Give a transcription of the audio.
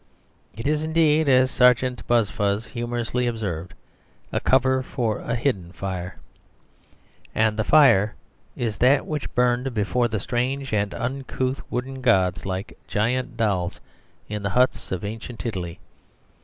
It is indeed, as Sergeant Buzfuz humorously observed, a cover for hidden fire. And the fire is that which burned before the strange and uncouth wooden gods, like giant dolls, in the huts of ancient Italy.